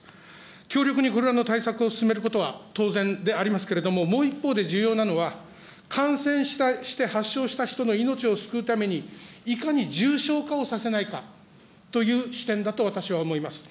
強力にこれらの対策を進めることは、当然でありますけれども、もう一方で重要なのは、感染して発症した人の命を救うために、いかに重症化をさせないかという視点だと私は思います。